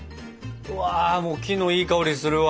うわもう木のいい香りするわ！